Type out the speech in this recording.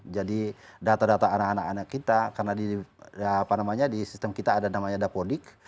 jadi data data anak anak kita karena di sistem kita ada namanya dapodik